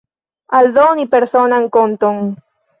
Aldoni personan konton.